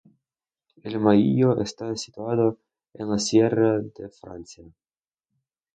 El Maíllo está situado en la Sierra de Francia.